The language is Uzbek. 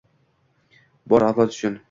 Bor avlod uchun